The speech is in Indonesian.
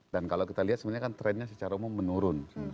dan kalau kita lihat sebenarnya kan trendnya secara umum menurun